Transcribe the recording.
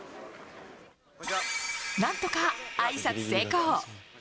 なんとかあいさつ成功。